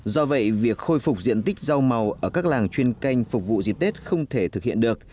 do vậy việc khôi phục diện tích rau màu ở các làng chuyên canh phục vụ dịp tết không thể thực hiện được